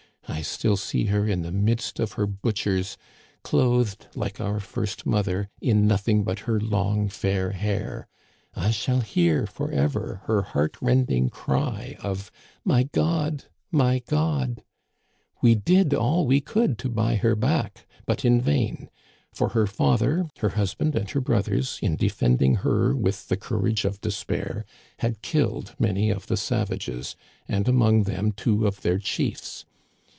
I still see her in the midst of her butchers, clothed, like our first mother, in nothing but her long, fair hair. I shall hear forever her heart rending cry of * My God ! my God !' We did all we could to buy her back, but in vain ; for her father, her husband, and her brothers, in defending her with the courage of despair, had killed many of the savages, and among them two of their chiefs.